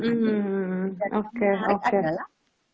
yang menarik adalah